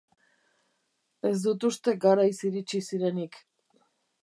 Ez dut uste garaiz iritsi zirenik.